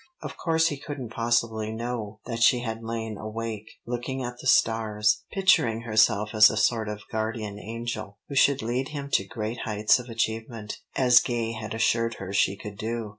Of course he couldn't possibly know that she had lain awake, looking at the stars, picturing herself as a sort of guardian angel, who should lead him to great heights of achievement (as Gay had assured her she could do).